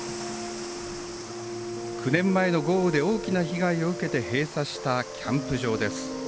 ９年前の豪雨で大きな被害を受けて閉鎖したキャンプ場です。